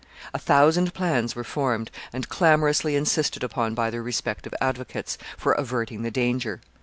A thousand plans were formed, and clamorously insisted upon by their respective advocates, for averting the danger.